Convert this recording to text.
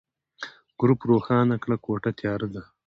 ګروپ روښانه کړه، کوټه تياره ده.